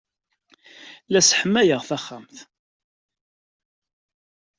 La sseḥmayeɣ taxxamt.